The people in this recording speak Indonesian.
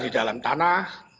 di dalam tanah